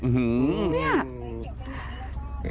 หือเนี่ย